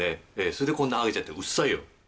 それでこんなはげちゃって、うっさいよ。